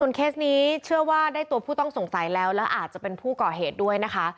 เคสนี้เชื่อว่าได้ตัวผู้ต้องสงสัยแล้วแล้วอาจจะเป็นผู้ก่อเหตุด้วยนะคะ